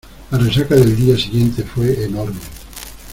La resaca del día siguiente fue enorme.